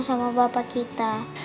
sama bapak kita